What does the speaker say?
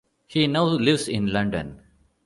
He now lives in London.